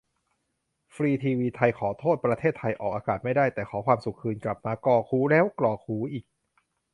ฟรีทีวีไทย :"ขอโทษประเทศไทย" ออกอากาศไม่ได้ แต่ "ขอความสุขคืนกลับมา" กรอกหูแล้วกรอกหูอีก